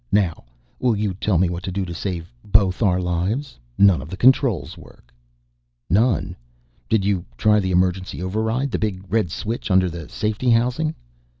Now will you tell me what to do to save both our lives. None of the controls work." "None! Did you try the emergency override? The big red switch under the safety housing."